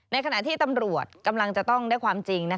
ขณะที่ตำรวจกำลังจะต้องได้ความจริง